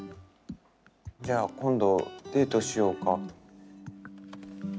じゃあ今度デートしようか？